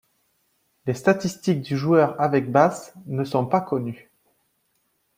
Les statistiques du joueur avec Bath ne sont pas connues.